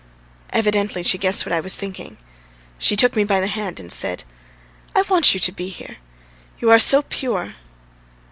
Evidently she guessed what I was thinking; she took me by the hand and said: "I want you to be here, you are so pure."